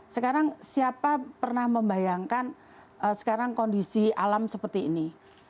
sekarang siapa pernah membayangkan sekarang kondisi alam seperti ini